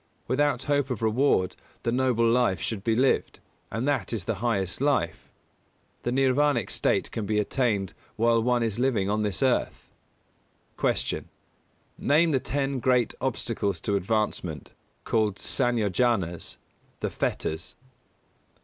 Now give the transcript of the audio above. Without hope of reward the Noble Life should be lived, and that is the highest life. The nirvānic state can be attained while one is living on this earth. 245. Q. _Name the ten great obstacles to advancement, called Sanyojanas, the Fetters?